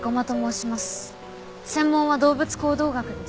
専門は動物行動学です。